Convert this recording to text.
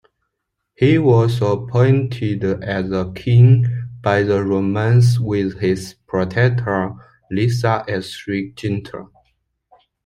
He was appointed as King by the Romans with his protector Lysias as regent.